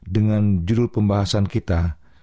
dengan judul pembahasan kita